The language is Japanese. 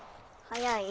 早い。